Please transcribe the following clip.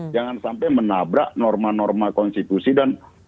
jangan sampai menabrak norma norma konstitusi dan